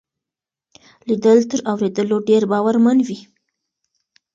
ليدل تر اورېدلو ډېر باورمن وي.